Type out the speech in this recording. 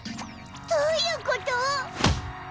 どういうこと？